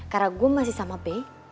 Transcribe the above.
karena gue masih sama be